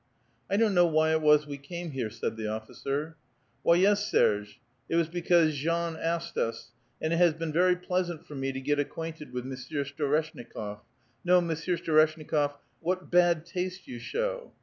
'' I don't know why it was we came here," said the officer. " Why, yes, Serge ; it was because Jean asked us. And it has been very pleasant for me to get acquainted with Mon sieur Storeshnikof. No, Monsieur Storeshnikof ; /y, what bad taste you show